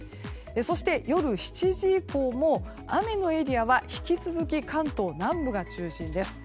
そして、夜７時以降も雨のエリアは引き続き、関東南部が中心です。